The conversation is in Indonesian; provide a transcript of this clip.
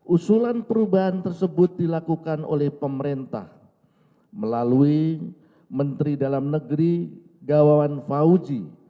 usulan perubahan tersebut dilakukan oleh pemerintah melalui menteri dalam negeri gawawan fauji